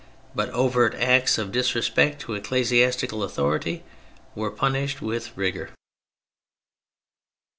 But overt acts of disrespect to ecclesiastical authority were punished with rigour.